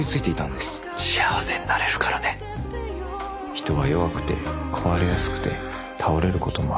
「人は弱くて壊れやすくて倒れることもある」